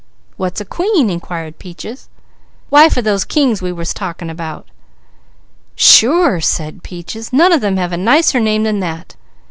"What's a Queen?" inquired Peaches. "Wife of those kings we were just talking about." "Sure!" said Peaches. "None of them have a nicer name than that!